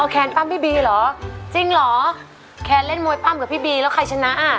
แคนปั้มพี่บีเหรอจริงเหรอแคนเล่นมวยปั้มกับพี่บีแล้วใครชนะอ่ะ